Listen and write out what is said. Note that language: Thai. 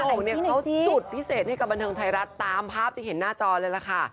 พี่โอ๋งนี้เขาจุดพิเศษในกำบันเทิงไทยรัฐตามภาพที่เห็นหน้าจอเลยละค่ะ